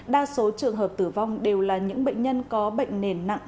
đa số trường hợp tử vong đều là những bệnh nhân có bệnh nền nặng